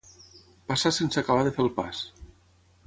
Passar sense acabar de fer el pas.